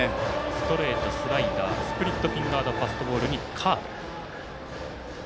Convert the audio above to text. ストレート、スライダースプリットフィンガーファストボールにカーブ。